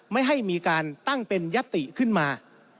ไม่ให้มีการตั้งเป็นยติขึ้นมา